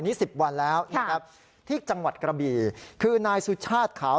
สิบวันแล้วนะครับที่จังหวัดกระบี่คือนายสุชาติขาว